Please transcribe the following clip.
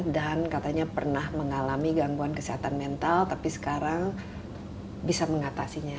dan katanya pernah mengalami gangguan kesehatan mental tapi sekarang bisa mengatasinya